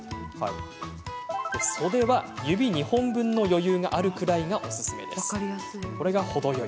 袖は、指２本分の余裕があるくらいがおすすめです。